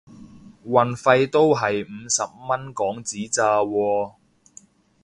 運費都係五十蚊港紙咋喎